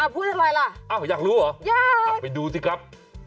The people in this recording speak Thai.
พูดอะไรล่ะอยากรู้เหรออยากไปดูสิครับ